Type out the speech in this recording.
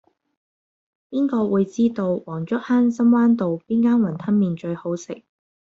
邊個會知道黃竹坑深灣道邊間雲吞麵最好食